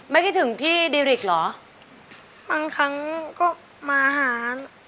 ไม่คิดถึงพี่ดิริกเหรอบางครั้งก็มาหา